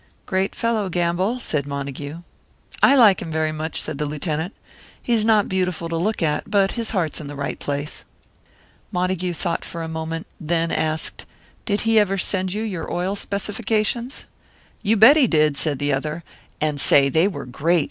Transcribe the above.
"Great fellow, Gamble," said Montague. "I liked him very much," said the Lieutenant. "He's not beautiful to look at, but his heart's in the right place." Montague thought for a moment, then asked, "Did he ever send you your oil specifications?" "You bet he did!" said the other. "And say, they were great!